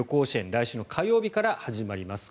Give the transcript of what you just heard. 来週の火曜日から始まります。